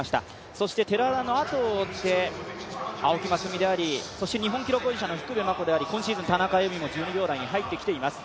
そして寺田のあとを追って、青木益未であり、日本記録保持者の福部真子であり今シーズン、田中佑美も１２秒台に入ってきています。